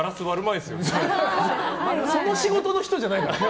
その仕事の人じゃないから。